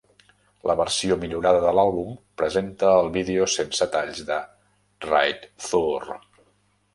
La versió millorada de l'àlbum presenta el vídeo sense talls de "Right Thurr".